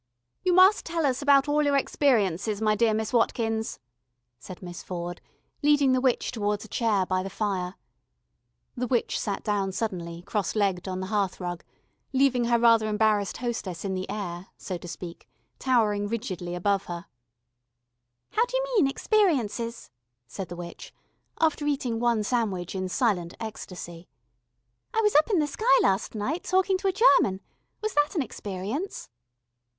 "You must tell us about all your experiences, my dear Miss Watkins," said Miss Ford, leading the witch towards a chair by the fire. The witch sat down suddenly cross legged on the hearth rug, leaving her rather embarrassed hostess in the air, so to speak, towering rigidly above her. "How d'you mean experiences?" said the witch, after eating one sandwich in silent ecstasy. "I was up in the sky last night, talking to a German. Was that an experience?"